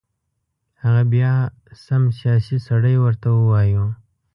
هغه بیا سم سیاسي سړی ورته ووایو.